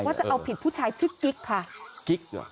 จะเอาผิดผู้ชายชื่อกิ๊กค่ะกิ๊กเหรอ